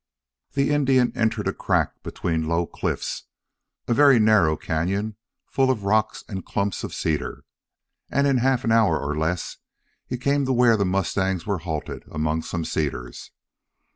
The Indian entered a crack between low cliffs a very narrow cañon full of rocks and clumps of cedars and in a half hour or less he came to where the mustangs were halted among some cedars.